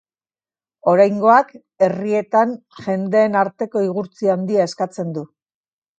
Oraingoak herrietan jendeen arteko igurtzi handia eskatzen du.